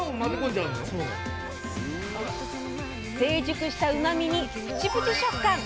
成熟したうまみにプチプチ食感！